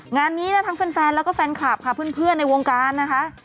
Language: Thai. งานนี้นะทั้งแฟนแล้วก็แฟนคลับค่ะเพื่อนในวงการนะคะ